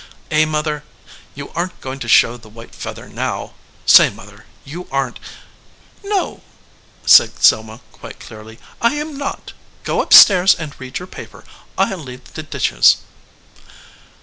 Eh, mother? You aren t going to show the white feather now ? Say, mother, you aren t " "No," said Selma, quite clearly, "I am not. Go up stairs and read your paper. I ll leave the dishes."